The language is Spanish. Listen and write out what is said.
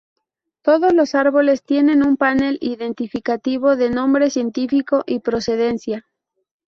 Todos los árboles tienen un panel identificativo de nombre científico y procedencia.